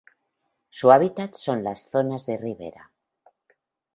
Su hábitat son las zonas de ribera.